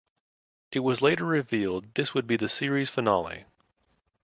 It was later revealed this would be the series finale.